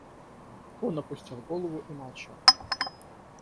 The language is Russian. Он опустил голову и молчал.